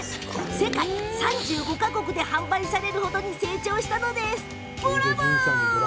世界３５か国で販売される程に成長しました。